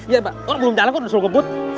iya bang oh belum jalan kok udah suruh ngebut